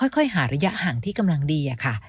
ค่อยหาระยะห่างที่กำลังดีค่ะ